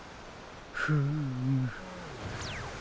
フーム。